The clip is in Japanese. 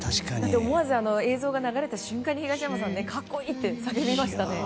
思わず映像が流れた瞬間に東山さん格好いい！って叫びましたね。